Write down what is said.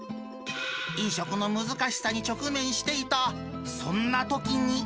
飲食の難しさに直面していたそんなときに。